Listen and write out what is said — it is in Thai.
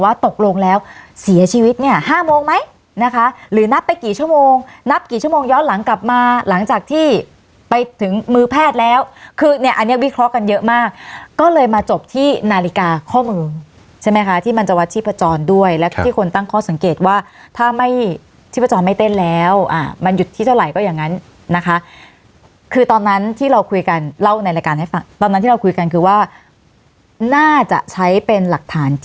ว่าตกลงแล้วเสียชีวิตเนี่ย๕โมงไหมนะคะหรือนับไปกี่ชั่วโมงนับกี่ชั่วโมงย้อนหลังกลับมาหลังจากที่ไปถึงมือแพทย์แล้วคือเนี่ยอันนี้วิเคราะห์กันเยอะมากก็เลยมาจบที่นาฬิกาข้อมือใช่ไหมคะที่มันจะวัดชีพจรด้วยและที่คนตั้งข้อสังเกตว่าถ้าไม่ชีพจรไม่เต้นแล้วอ่ามันหยุดที่เจ้าไหล่ก็อย่